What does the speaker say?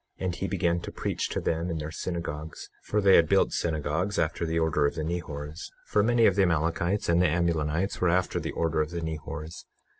And he began to preach to them in their synagogues, for they had built synagogues after the order of the Nehors; for many of the Amalekites and the Amulonites were after the order of the Nehors.